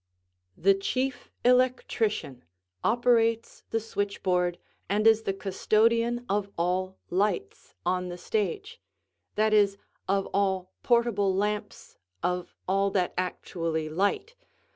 The Chief Electrician operates the switchboard and is the custodian of all lights on the stage; that is, of all portable lamps, of all that actually light.